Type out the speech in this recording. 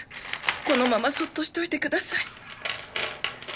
このままそっとしておいてください。